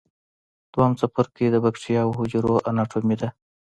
دویم څپرکی د بکټریاوي حجرو اناټومي ده.